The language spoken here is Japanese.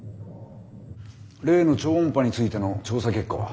例の超音波についての調査結果は？